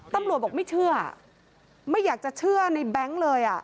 ตำรวจบอกไม่เชื่อไม่อยากจะเชื่อในแบงค์เลย